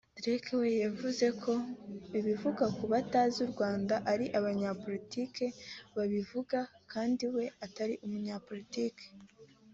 Dirk we yavuze ko ibivugwa ku batazi u Rwanda ari abanyapolitiki babivuga kandi we Atari umunyapolitiki